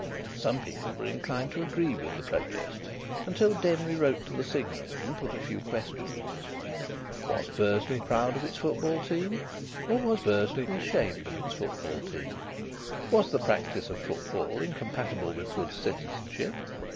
Some people were inclined to agree with the protest, until Denry wrote to the Signal and put a few questions: Was Bursley proud of its football team? Or was Bursley ashamed of its football team? Was the practice of football incompatible with good citizenship?